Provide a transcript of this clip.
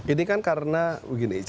ini kan karena begini